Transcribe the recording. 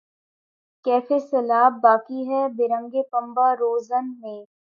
کفِ سیلاب باقی ہے‘ برنگِ پنبہ‘ روزن میں